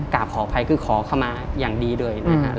กราบขอไปคือขอเข้ามาอย่างดีด้วยนะครับ